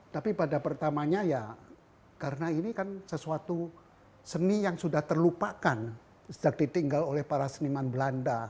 tapi pada pertamanya ya karena ini kan sesuatu seni yang sudah terlupakan sejak ditinggal oleh para seniman belanda